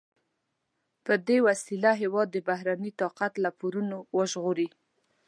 په دې وسیله هېواد د بهرني طاقت له پورونو وژغوري.